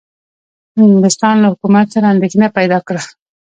انګلستان له حکومت سره اندېښنه پیدا کړه.